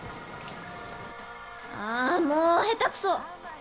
ああもう下手くそ！